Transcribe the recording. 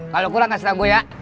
kalo kurang kasih tau gue ya